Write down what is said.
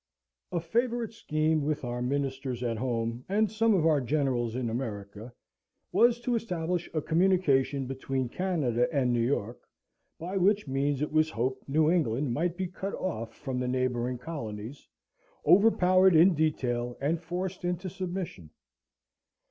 A favourite scheme with our ministers at home and some of our generals in America, was to establish a communication between Canada and New York, by which means it was hoped New England might be cut off from the neighbouring colonies, overpowered in detail, and forced into submission.